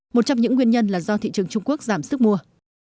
một trong những nguyên nhân là do thị trường trung quốc giảm sức mua